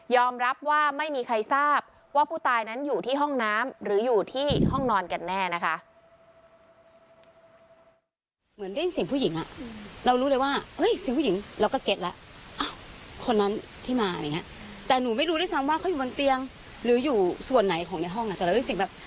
รับว่าไม่มีใครทราบว่าผู้ตายนั้นอยู่ที่ห้องน้ำหรืออยู่ที่ห้องนอนกันแน่นะคะ